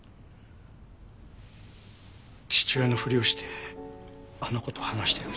父親のふりをしてあの子と話してるうちに。